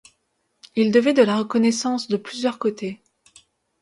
Il devait de la reconnaissance de plusieurs côtés.